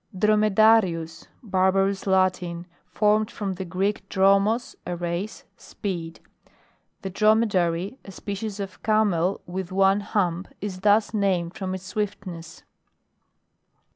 DROMEDARIUS. Barbarous Latin, for med from the Greek, dromos, a race, speed. The Dromedary, a species of camel with one hump, is thus named from its swiftness.